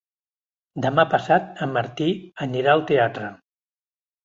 Demà passat en Martí anirà al teatre.